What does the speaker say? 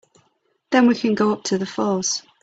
Then we can go up to the falls.